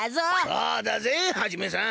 そうだぜハジメさん。